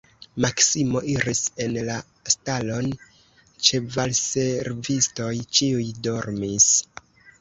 Maksimo iris en la stalon, ĉevalservistoj ĉiuj dormis.